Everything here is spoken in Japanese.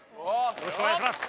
よろしくお願いします。